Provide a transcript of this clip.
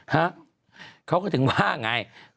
หาเขาก็ถึงว่าอย่างไร